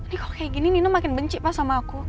ini kok kayak gini nino makin benci pak sama aku